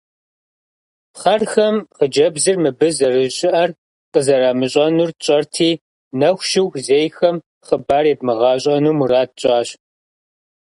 Пхъэрхэм хъыджэбзыр мыбы зэрыщыӀэр къызэрамыщӀэнур тщӀэрти, нэху щыху зейхэм хъыбар едмыгъэщӀэну мурад тщӀащ.